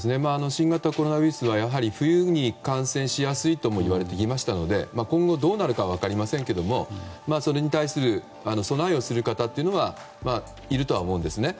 新型コロナウイルスは冬に感染しやすいともいわれていましたので今後、どうなるか分かりませんがそれに対する備えをする方はいるとは思うんですね。